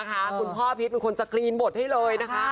คุณพ่อพิษเป็นคนสกรีนบทให้เลยนะคะ